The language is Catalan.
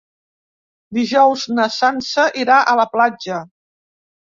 Dijous na Sança irà a la platja.